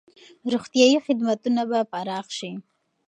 روغتیايي خدمتونه به پراخ شي.